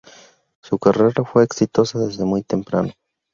Su carrera, fue exitosa desde muy temprano.